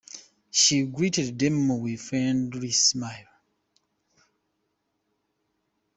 He greeted them with a friendly smile.